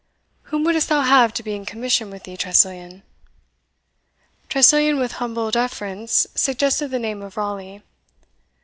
Whom wouldst thou have to be in commission with thee, Tressilian?" Tressilian, with humble deference, suggested the name of Raleigh.